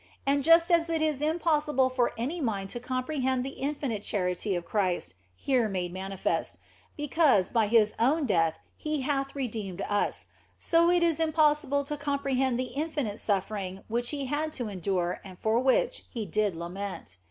And just as it is impossible for any mind to comprehend the infinite charity of Christ (here made manifest), because, by His own death, He hath redeemed us, so is it im possible to comprehend the infinite suffering which He had to endure and for which He did lament.